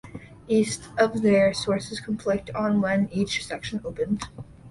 East of there, sources conflict on when each section opened.